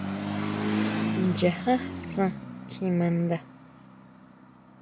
Nchaja san kjimanda.